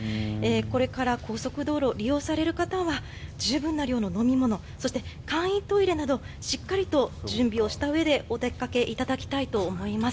これから高速道路を利用される方は十分な量の飲み物そして簡易トイレなどしっかりと準備をしたうえでお出かけいただきたいと思います。